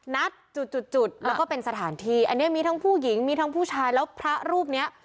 นัดจุดจุดแล้วก็เป็นสถานที่อันนี้มีทั้งผู้หญิงมีทั้งผู้ชายแล้วพระรูปเนี้ย